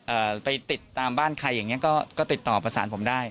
ไปติดตามบ้านใครอย่างเงี้ก็ก็ติดต่อประสานผมได้